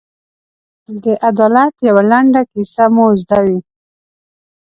د عدالت یوه لنډه کیسه مو زده وي.